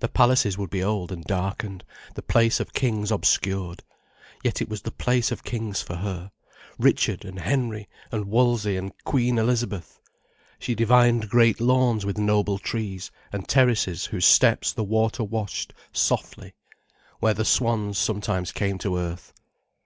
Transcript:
The palaces would be old and darkened, the place of kings obscured. Yet it was a place of kings for her—Richard and Henry and Wolsey and Queen Elizabeth. She divined great lawns with noble trees, and terraces whose steps the water washed softly, where the swans sometimes came to earth.